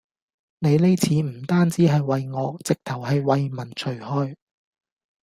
你呢次唔單止係為我，直頭係為民除害